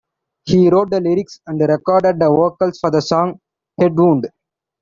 He wrote the lyrics and recorded the vocals for the song Headwound.